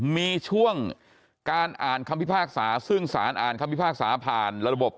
มีช่วงการอ่านคำพิพากษาซึ่งสารอ่านคำพิพากษาผ่านระบบ